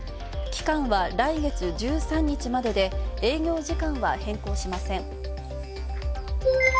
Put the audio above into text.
期間は来月１３日までで営業時間は変更しません。